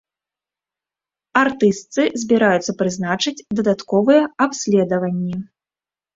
Артыстцы збіраюцца прызначыць дадатковыя абследаванні.